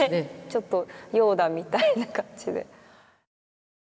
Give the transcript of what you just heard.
ちょっとヨーダみたいな感じで。